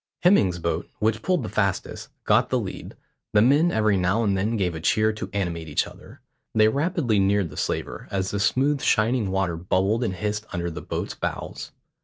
Hemming's boat, which pulled the fastest, got the lead. The men every now and then gave a cheer to animate each other. They rapidly neared the slaver, as the smooth shining water bubbled and hissed under the boats' bows.